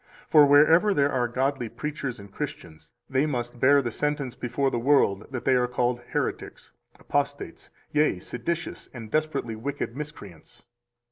For wherever there are godly preachers and Christians, they must bear the sentence before the world that they are called heretics, apostates, yea, seditious and desperately wicked miscreants.